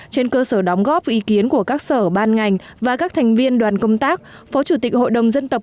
trên cơ sở đóng góp ý kiến của các sở ban ngành và các thành viên đoàn công tác phó chủ tịch hội đồng dân tộc